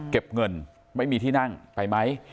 เก็บเงินไม่มีที่นั่งไปไหม